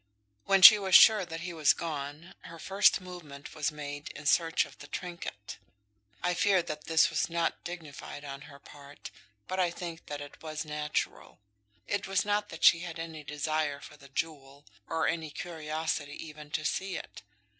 When she was sure that he was gone, her first movement was made in search of the trinket. I fear that this was not dignified on her part; but I think that it was natural. It was not that she had any desire for the jewel, or any curiosity even to see it.